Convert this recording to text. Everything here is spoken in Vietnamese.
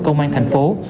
công an tp hcm